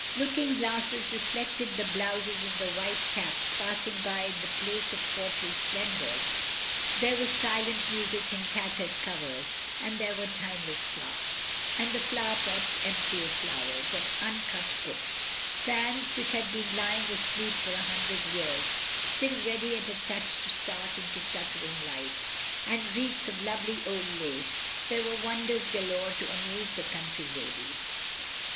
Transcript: Looking glasses reflected the blouses and the white caps passing by in the place of courtly splendours, there was silent music in tattered covers, and there were timeless clocks, and flower pots empty of flowers, and uncut books; fans which had been l)dng asleep for a hundred years still ready at a touch to start into fluttering life, and wreaths of lovely old lace, there were wonders galore to amuse the country ladies.